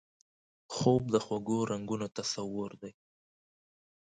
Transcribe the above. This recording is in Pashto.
خوب د خوږو رنګونو تصور دی